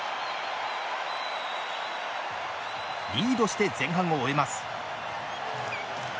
リードして前半を終えます。